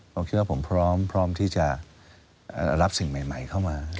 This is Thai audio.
ผมคิดว่าผมพร้อมที่จะรับสิ่งใหม่เข้ามา